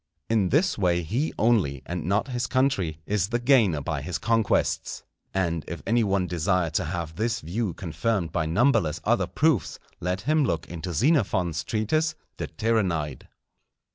In this way he only, and not his country, is the gainer by his conquests. And if any one desire to have this view confirmed by numberless other proofs, let him look into Xenophon's treatise De Tirannide.